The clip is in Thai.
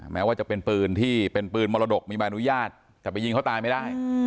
แม้ว่าจะเป็นปืนที่เป็นปืนมรดกมีใบอนุญาตแต่ไปยิงเขาตายไม่ได้